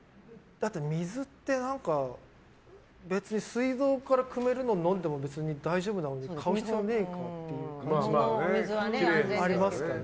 だって、水って別に水道からくめるの飲んでも別に大丈夫なのに買う必要ねえかっていう感じありますけどね。